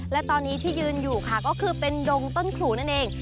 และตอนนี้ที่ยืนอยู่ค่ะก็คือเป็นดงต้นขูนั่นเอง